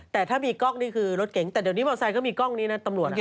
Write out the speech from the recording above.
แต่ถ้ามีกล้องนี่คือรถเก๋งแต่เดี๋ยวนี้มอเซก็มีกล้องนี้นะตำรวจ